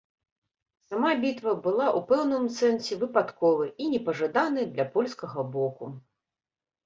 Сама бітва была ў пэўным сэнсе выпадковай і непажаданай для польскага боку.